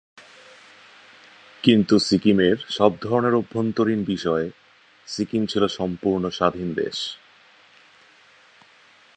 কিন্তু সিকিমের সবধরনের অভ্যন্তরীণ বিষয়ে সিকিম ছিল সম্পূর্ণ স্বাধীন দেশ।